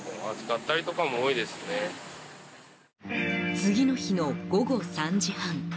次の日の午後３時半。